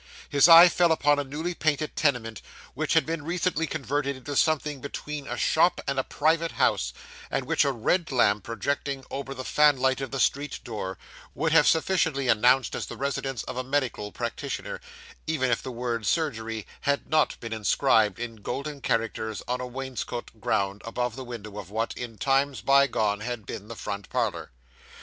His eye fell upon a newly painted tenement which had been recently converted into something between a shop and a private house, and which a red lamp, projecting over the fanlight of the street door, would have sufficiently announced as the residence of a medical practitioner, even if the word 'Surgery' had not been inscribed in golden characters on a wainscot ground, above the window of what, in times bygone, had been the front parlour.